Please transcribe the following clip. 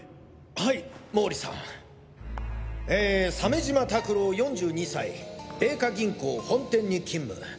はい毛利さん。え鮫島拓郎４２歳米花銀行本店に勤務。